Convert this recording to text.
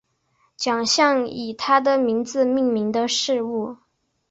奖项以他的名字命名的事物